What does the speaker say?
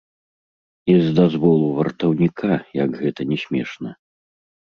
І з дазволу вартаўніка, як гэта ні смешна.